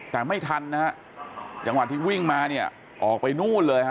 แต่ไม่ทันนะฮะจังหวะที่วิ่งมาเนี่ยออกไปนู่นเลยฮะ